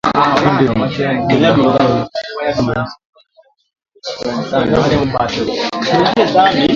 Kundi la dola ya kiislamu siku ya Jumanne lilidai kuhusika na shambulizi lililoua takribani raia kumi na tano